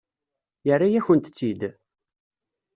Yerra-yakent-tt-id?